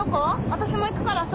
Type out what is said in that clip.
私も行くからさ。